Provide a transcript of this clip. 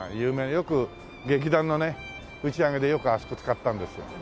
よく劇団のね打ち上げでよくあそこ使ったんですよ。